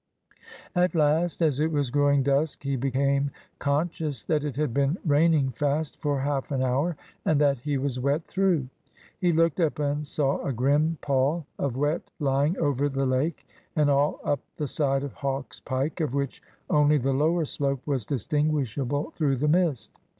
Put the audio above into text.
At last, as it was growing dusk, he became conscious that it had been raining fast for half an hour, and that he was wet through. He looked up and saw a grim pall of wet lying over the lake and all up the side of Hawk's Pike, of which only the lower slope was distinguishable through the mist.